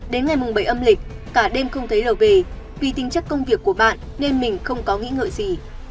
đến ngày mùng bảy âm lịch cả đêm không thấy l t t l về vì tính chất công việc của bạn nên mình không có nghĩ ngợi gì